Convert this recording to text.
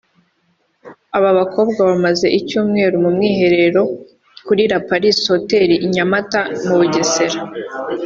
Aba bakobwa bamaze icyumweru mu mwiherero kuri La Palisse Hotel i Nyamata mu Bugesera